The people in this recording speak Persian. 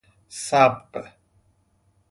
صبغ